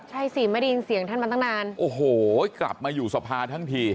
ใช่สิไม่ได้ยินเสียงท่านมาตั้งนานโอ้โหกลับมาอยู่สภาทั้งที